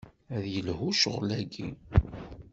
Ad yelhu ccɣel-aki.